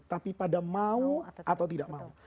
tapi pada mau atau tidak mau